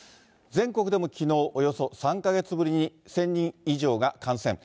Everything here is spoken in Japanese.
全国でもきのう、およそ３か月ぶりに１０００人以上が感染。